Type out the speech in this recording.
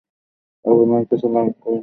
আপনার কিছু লাগবে?